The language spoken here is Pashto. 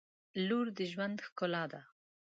• لور د ژوند ښکلا ده.